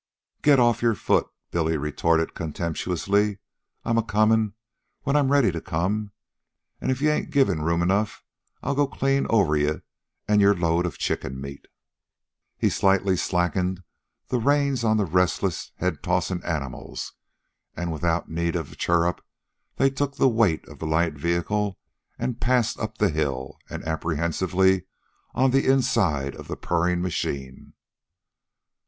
"Get off your foot," Billy retorted contemptuously. "I'm a comin' when I'm ready to come, an' if you ain't given room enough I'll go clean over you an' your load of chicken meat." He slightly slacked the reins on the restless, head tossing animals, and without need of chirrup they took the weight of the light vehicle and passed up the hill and apprehensively on the inside of the purring machine.